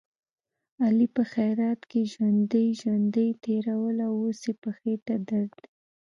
علي په خیرات کې ژوندۍ ژوندۍ تېروله، اوس یې په خېټه درد دی.